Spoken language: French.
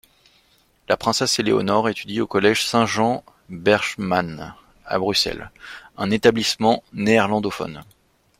La princesse Éléonore étudie au collège Saint-Jean-Berchmans à Bruxelles, un établissement néerlandophone.